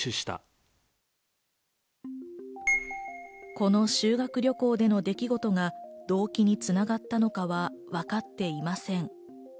この修学旅行での出来事が動機に繋がったのかは分かっていません。